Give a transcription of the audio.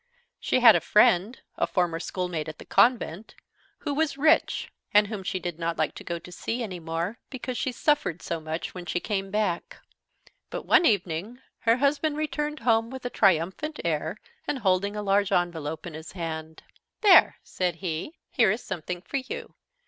She had a friend, a former schoolmate at the convent, who was rich, and whom she did not like to go and see any more, because she suffered so much when she came back. But, one evening, her husband returned home with a triumphant air, and holding a large envelope in his hand. "There," said he, "here is something for you."